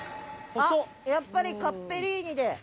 あっやっぱりカッペリーニで。